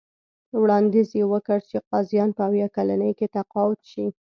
وړاندیز یې وکړ چې قاضیان په اویا کلنۍ کې تقاعد شي.